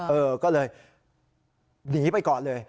เออก็เลยหนีไปก่อนเลย